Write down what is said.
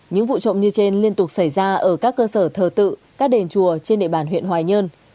những vụ trộm như trên liên tục xảy ra ở các cơ sở thờ tự các đền chùa trên địa bàn huyện hoài nhơn